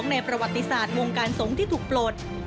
ในประวัติศาสตร์วงการสงฆ์ที่ถูกปลด